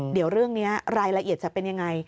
เดี๋ยวเรื่องนี้รายละเอียดจะเป็นยังไง